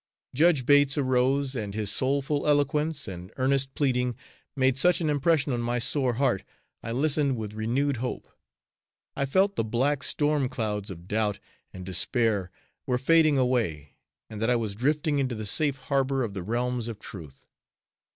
Judge Bates arose, and his soulful eloquence and earnest pleading made such an impression on my sore heart, I listened with renewed hope. I felt the black storm clouds of doubt and despair were fading away, and that I was drifting into the safe harbor of the realms of truth.